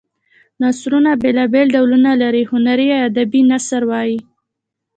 نثرونه بېلا بېل ډولونه لري هنري یا ادبي نثر وايي.